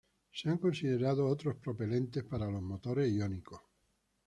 Se han considerado otros propelente para los motores iónicos.